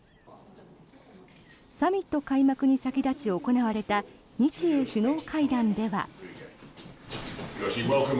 サミット開幕に先立ち行われた日英首脳会談では。